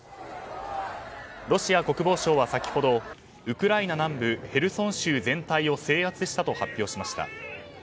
ロシア国防省は先ほどウクライナ南部ヘルソン州全体を制圧したと発表しました。